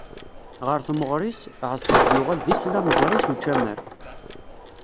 Ɣer temɣer-is, Ɛeṣṣad yuɣal d islamẓri s ucamar.